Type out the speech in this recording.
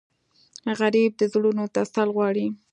غریب د زړونو تسل غواړي